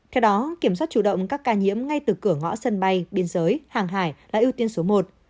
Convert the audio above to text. theo đó kiểm soát chủ động các ca nhiễm ngay từ cửa ngõ sân bay biên giới hàng hải là ưu tiên số một